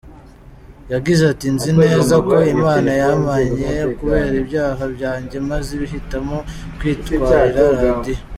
Yagize ati “Nzi neza ko Imana yampannye kubera ibyaha byanjye maze ihitamo kwitwarira Radio.